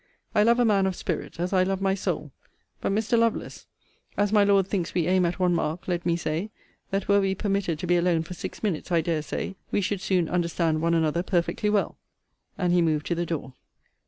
I love a man of spirit, as I love my soul. But, Mr. Lovelace, as my Lord thinks we aim at one mark, let me say, that were we permitted to be alone for six minutes, I dare say, we should soon understand one another perfectly well. And he moved to the door.